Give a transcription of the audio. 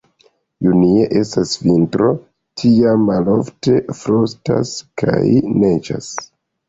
Junie estas vintro, tiam malofte frostas kaj neĝas.